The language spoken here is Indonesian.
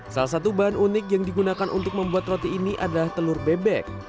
salah satu bahan unik yang digunakan untuk membuat roti ini adalah telur bebek